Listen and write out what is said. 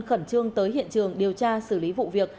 khẩn trương tới hiện trường điều tra xử lý vụ việc